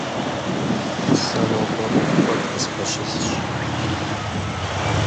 Сэ нобэ ӏуэху куэд къыспэщылъщ.